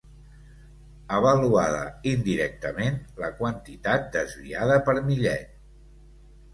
Avaluada indirectament, la quantitat desviada per Millet.